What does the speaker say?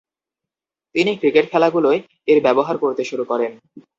তিনি ক্রিকেট খেলাগুলোয় এর ব্যবহার করতে শুরু করেন।